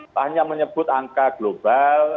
tak hanya menyebut angka global